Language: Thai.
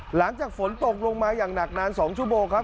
หลังจากฝนตกลงมาอย่างหนักนาน๒ชั่วโมงครับ